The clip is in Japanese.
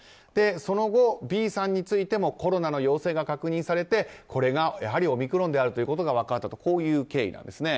その後、Ｂさんについてもコロナの陽性が確認されてこれがやはりオミクロンであることが分かったとこういう経緯なんです。